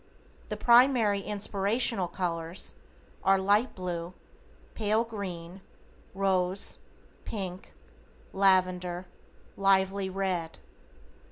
The primary inspirational colors are: Light Blue, Pale Green, Rose, Pink, Lavender, Lively Red.